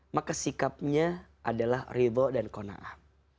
maka sikapnya adalah ridho dan kona'ah